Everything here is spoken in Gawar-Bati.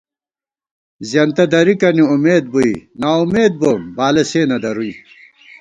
زېنتہ درِکَنی امېد بُوئی نا اُمېد بوم بالہ سے نہ دروئی